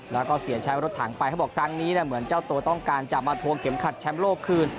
แล้วก็เสียใช้รถถังไปเขาบอกครั้งนี้เหมือนเจ้าตัวต้องการจะมาทวงเข็มขัดแชมป์โลกคืน